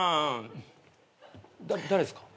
誰ですか？